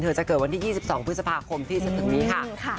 เธอจะเกิดวันที่๒๒พฤษภาคมที่เสร็จตรงนี้ค่ะค่ะ